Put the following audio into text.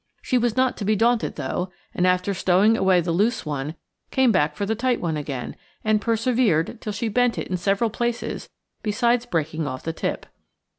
She was not to be daunted, though, and after stowing away the loose one came back for the tight one again, and persevered till she bent it in several places, besides breaking off the tip.